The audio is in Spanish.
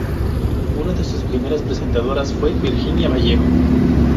Una de sus primeras presentadoras fue Virginia Vallejo.